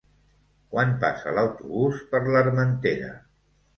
Quan passa l'autobús per l'Armentera?